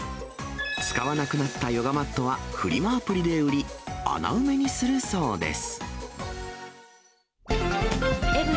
使わなくなったヨガマットはフリマアプリで売り、穴埋めにするそうです。